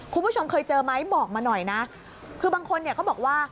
คุณผู้ชมเคยเจอไหมบอกมาหน่อยนะคือบางคนเนี่ยเขาบอกว่า